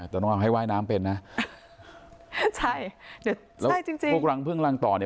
แต่ต้องให้ว่ายน้ำเป็นนะใช่ใช่จริงจริงแล้วพวกเราเพิ่งล่างต่อเนี่ย